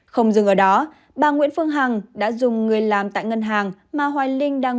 không dừng ở đó bà nguyễn phương hằng đã dùng người làm tại ngân hàng